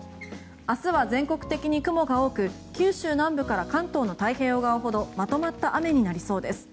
明日は全国的に雲が多く九州南部から関東の太平洋側ほどまとまった雨になりそうです。